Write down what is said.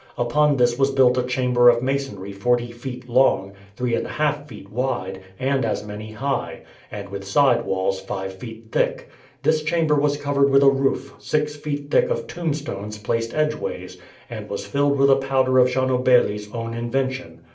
Upon this was built a chamber of masonry forty feet long, three and a half feet wide, and as many high, and with side walls five feet thick. This chamber was covered with a roof six feet thick of tombstones placed edgeways, and was filled with a powder of Gianobelli's own invention.